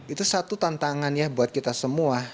itu satu tantangan ya buat kita semua